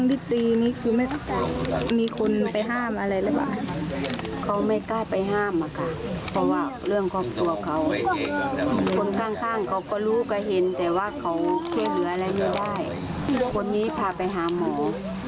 ได้เพื่อเทพเหลือและยังได้คนนี้พาไปหาหมอ